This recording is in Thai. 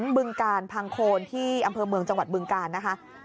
บึงการพังโคนที่อำเภอเมืองจังหวัดบึงการนะคะ